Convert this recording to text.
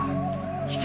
引け！